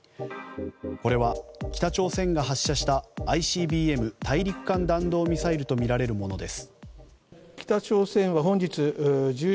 これは、北朝鮮が発射したＩＣＢＭ・大陸間弾道ミサイルとみられるものです。